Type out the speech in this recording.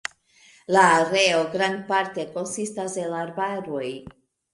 La areo grandparte konsistas el arbaroj.